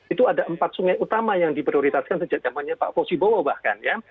itu ada empat sungai utama yang diprioritaskan sejak zamannya pak fosibowo bahkan ya